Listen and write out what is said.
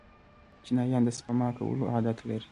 چینایان د سپما کولو عادت لري.